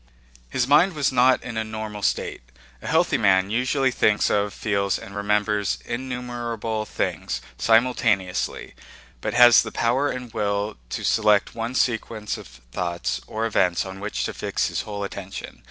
His mind was not in a normal state. A healthy man usually thinks of, feels, and remembers innumerable things simultaneously, but has the power and will to select one sequence of thoughts or events on which to fix his whole attention.